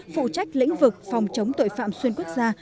phụ trách lĩnh vực phòng chống tội phạm xuyên quốc gia